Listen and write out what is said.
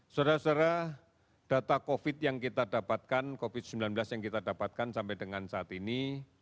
saudara saudara data covid sembilan belas yang kita dapatkan sampai dengan saat ini